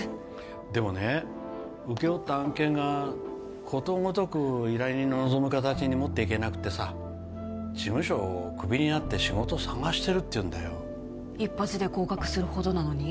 でもね請け負った案件がことごとく依頼人の望む形に持っていけなくてさ事務所クビになって仕事探してるっていうんだよ一発で合格するほどなのに？